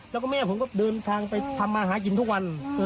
แล้วก็แม่ผมก็เดินทางไปทำมาหากินทุกวัน